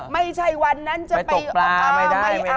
ไม่ใช่วันนั้นจะไปอยากตกปลาไม่ได้